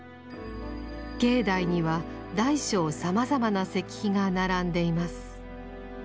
境内には大小さまざまな石碑が並んでいます。